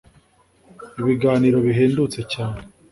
ibiganiro bihendutse cyane